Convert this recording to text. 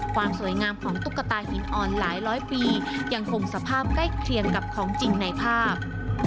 ความสวยงามของตุ๊กตาหินอ่อนหลายร้อยปียังคงสภาพใกล้เคียงกับของจริงในภาพ